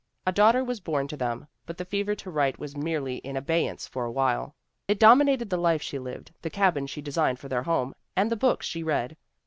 A daughter was born to them, but the fever to write was merely in abeyance for a while. "It dominated the life she lived, the cabin she designed for their home, and the books she read.